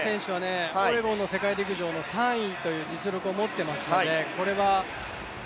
オレゴンの世界陸上の３位という実力を持っています。